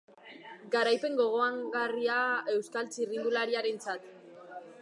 Garaipen gogoangarria euskal txirrindularitzarentzat.